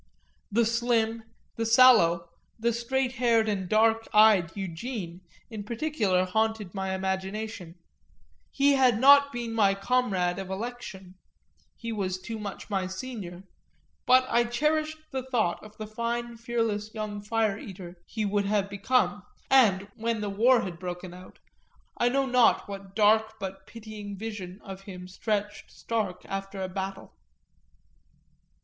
The slim, the sallow, the straight haired and dark eyed Eugene in particular haunted my imagination; he had not been my comrade of election he was too much my senior; but I cherished the thought of the fine fearless young fire eater he would have become and, when the War had broken out, I know not what dark but pitying vision of him stretched stark after a battle.